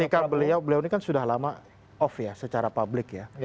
dan ketika beliau beliau ini kan sudah lama off ya secara publik ya